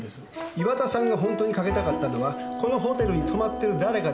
岩田さんがホントにかけたかったのはこのホテルに泊まっているだれかだった。